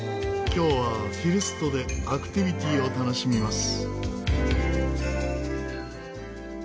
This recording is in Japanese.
今日はフィルストでアクティビティーを楽しみます。